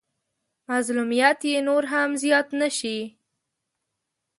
مظلوميت يې نور هم زيات نه شي.